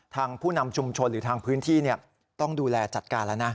ผู้นำชุมชนหรือทางพื้นที่ต้องดูแลจัดการแล้วนะ